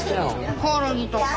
コオロギとか。